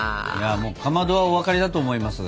かまどはお分かりだと思いますが。